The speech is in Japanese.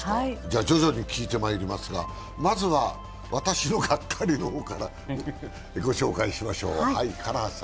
徐々に聞いてまいりますが、まずは私のがっかりの方から御紹介しましょう。